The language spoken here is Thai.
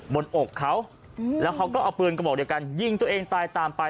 นอกเขาแล้วเขาก็เอาปืนกระบอกเดียวกันยิงตัวเองตายตามไป